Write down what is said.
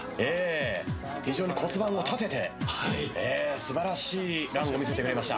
非常に骨盤を立てて素晴らしいランを見せてくれました。